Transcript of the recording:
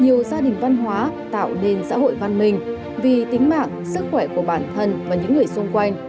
nhiều gia đình văn hóa tạo nên xã hội văn minh vì tính mạng sức khỏe của bản thân và những người xung quanh